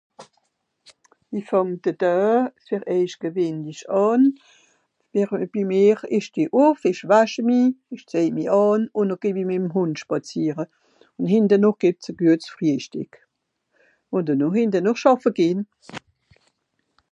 Comment commence la journée d'habitude pour vous Je me lève, lave, m'habille et vais me promener avec mon chien et puis après il y a un bon petit dejeuner puis aller travailler